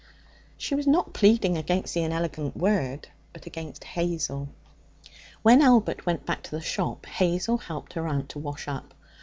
She was not pleading against the inelegant word, but against Hazel. When Albert went back to the shop, Hazel helped her aunt to wash up.